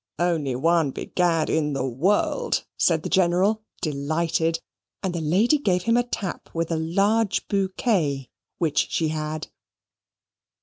"Only one, begad, in the world!" said the General, delighted, and the lady gave him a tap with a large bouquet which she had.